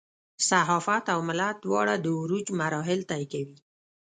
صحافت او ملت دواړه د عروج مراحل طی کوي.